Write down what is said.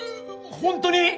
本当に！？